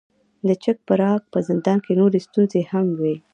د چک پراګ په زندان کې نورې ستونزې هم وې.